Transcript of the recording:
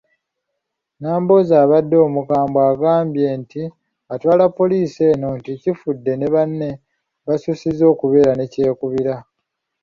Nambooze abadde omukambwe agambye nti atwala poliisi eno nti Kifudde ne banne, basussizza okubeera n'ekyekubiira.